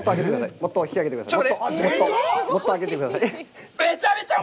もっと上げてください。